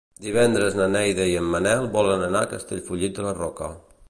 Divendres na Neida i en Manel volen anar a Castellfollit de la Roca.